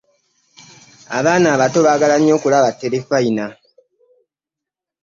Abaana abato baagala nnyo okulaba terefayina.